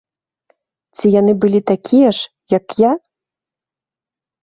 Ці яны былі такія ж, як я?